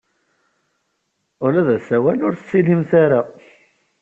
Ula d asawal ur t-tlimt ara.